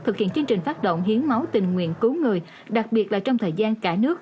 thực hiện chương trình phát động hiến máu tình nguyện cứu người đặc biệt là trong thời gian cả nước